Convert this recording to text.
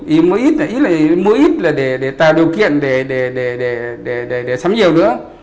ý là mua ít để tạo điều kiện để sắm nhiều nữa